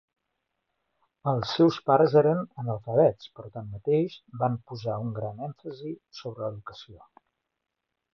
Els seus pares eren analfabets però tanmateix, van posar un gran èmfasi sobre l'educació.